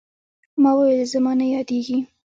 ما وويل زما نه يادېږي.